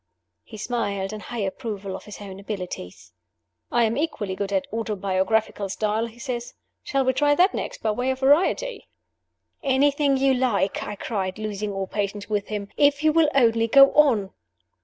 He smiled in high approval of his own abilities. "I am equally good at the autobiographical style," he said. "Shall we try that next, by way of variety?" "Anything you like," I cried, losing all patience with him, "if you will only go on!"